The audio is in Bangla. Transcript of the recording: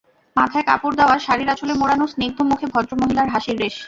মাথায় কাপড় দেওয়া, শাড়ির আঁচলে মোড়ানো স্নিগ্ধ মুখে ভদ্রমহিলার হাসির রেশ।